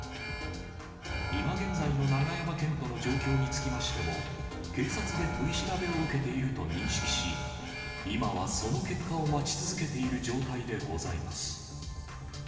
今現在の永山絢斗の状況につきましても、警察で取り調べを受けていると認識し、今はその結果を待ち続けている状態でございます。